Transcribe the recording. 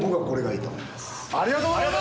ありがとうございます。